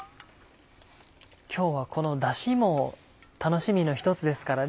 今日はこのだしも楽しみの一つですからね。